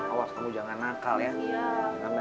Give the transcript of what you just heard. awak kamu jangan nakal ya